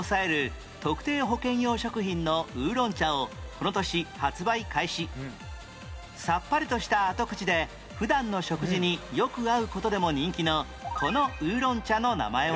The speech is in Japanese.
１７年前サントリーがさっぱりとした後口で普段の食事によく合う事でも人気のこの烏龍茶の名前は？